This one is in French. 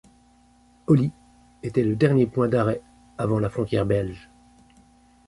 Olly était le dernier point d'arrêt avant la frontière belge.